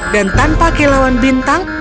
dan tanpa kilauan bintang